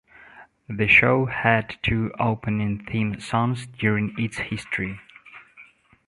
The show had two opening theme songs during its history.